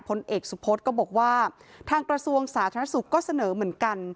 พลเอกสุพธก็บอกว่าทางกระทรวงสาธารณสุขก็เสนอเหมือนกัน